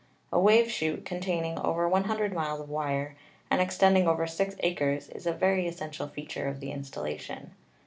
A wave chute containing over 100 miles of wire, and extending over six acres, is a very essential feature of the installation.